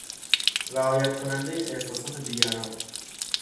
رعایت کنندهی احساسات دیگران